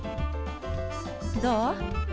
どう？